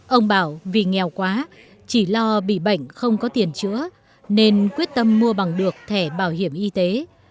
ông bảo vì nghèo quá chỉ lo bị bệnh không có tiền chữa nên quyết tâm mua bằng được thẻ bảo hiểm y tế